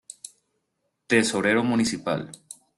Tesorero municipal.